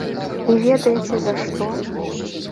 І ведаеце за што?